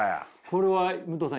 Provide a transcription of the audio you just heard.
これは武藤さん